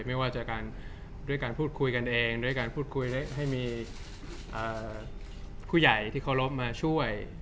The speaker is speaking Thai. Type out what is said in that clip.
ไม่ว่าจะการด้วยการพูดคุยกันเองด้วยการพูดคุยให้มีผู้ใหญ่ที่เคารพมาช่วย